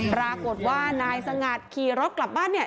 ปรากฏว่านายสงัดขี่รถกลับบ้านเนี่ย